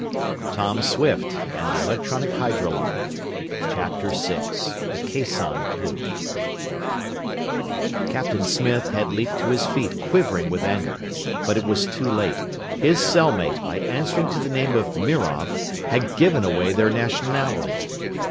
"Shut up, you fool!" their leader shouted. CHAPTER VI THE CAISSON CLUE "Captain Smith" had leaped to his feet, quivering with anger. But it was too late. His cellmate, by answering to the name of "Mirov," had given away their nationality!